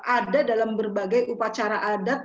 ada dalam berbagai upacara adat